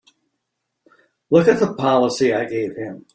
Look at the policy I gave him!